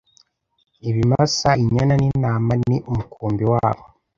ibimasa inyana n'intama ni umukumbi wabo